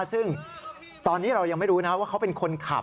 ซึ่งตอนนี้เรายังไม่รู้นะว่าเขาเป็นคนขับ